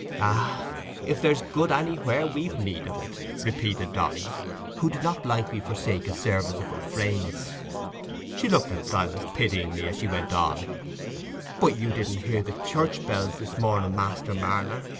"Ah, if there's good anywhere, we've need of it," repeated Dolly, who did not lightly forsake a serviceable phrase. She looked at Silas pityingly as she went on. "But you didn't hear the church bells this morning, Master Marner?